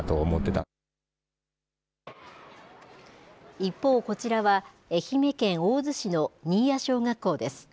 一方、こちらは愛媛県大洲市の新谷小学校です。